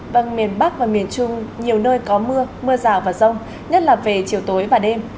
vâng miền bắc và miền trung nhiều nơi có mưa mưa rào và rông nhất là về chiều tối và đêm